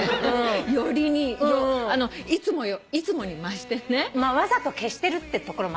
よりにいつもにも増してね。わざと消してるってところもあるからね。